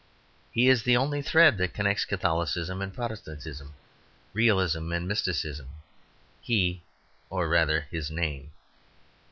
He is the only thread that connects Catholicism and Protestantism, realism and mysticism he or rather his name.